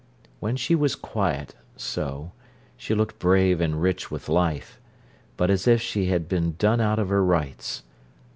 When she was quiet, so, she looked brave and rich with life, but as if she had been done out of her rights.